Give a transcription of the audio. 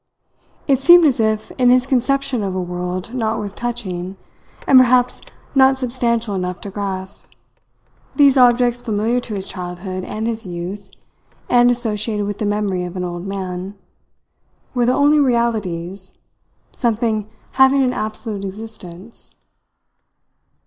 It seemed as if in his conception of a world not worth touching, and perhaps not substantial enough to grasp, these objects familiar to his childhood and his youth, and associated with the memory of an old man, were the only realities, something having an absolute existence.